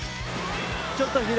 ちょっと左。